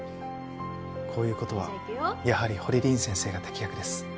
こういう事はやはり堀凛先生が適役です。